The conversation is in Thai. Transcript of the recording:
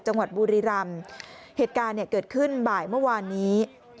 จังหวัดบุรีรำเหตุการณ์เนี่ยเกิดขึ้นบ่ายเมื่อวานนี้